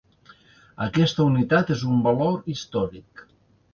Aquesta unitat és un valor històric.